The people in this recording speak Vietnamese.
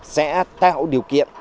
sẽ tạo điều kiện